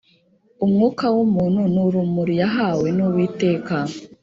Umwuka w umuntu ni urumuri yahawe n Uwiteka